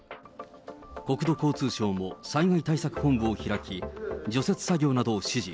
国土交通省も災害対策本部を開き、除雪作業などを指示。